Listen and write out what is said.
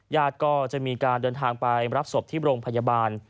ญาติก็จะมีการเดินทางไปรับศพที่โรงพยาบาล